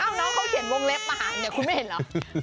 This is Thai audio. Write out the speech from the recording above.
น้องเขาเขียนวงเล็บมาหาเนี่ยคุณไม่เห็นเหรอ